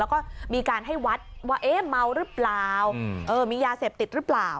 แล้วก็มีการให้วัดว่าเอ๊ะเมาหรือเปล่ามียาเสพติดหรือเปล่า